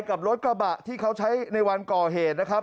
กับรถกระบะที่เขาใช้ในวันก่อเหตุนะครับ